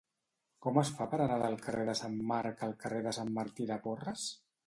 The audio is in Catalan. Com es fa per anar del carrer de Sant Marc al carrer de Sant Martí de Porres?